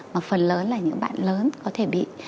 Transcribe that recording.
mà phần lớn là những bạn lớn có thể bị